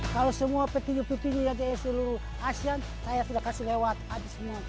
kalau semua peti peti yang seluruh asean saya sudah kasih lewat